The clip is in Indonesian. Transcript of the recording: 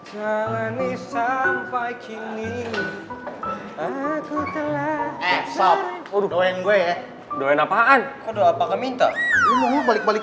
selanjutnya sampai kini aku telah esok udah doeng gue doeng apaan kode apakah minta balik balik